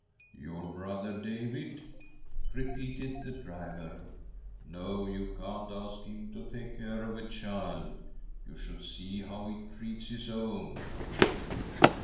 "Your brother David!" repeated the driver. " No/ you can't ask him to take care of a child. You should see how he treats his own."